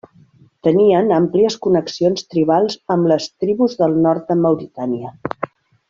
Tenien àmplies connexions tribals amb les tribus del nord de Mauritània.